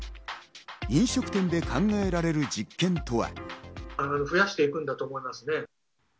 飲食店で考えられる実験とは。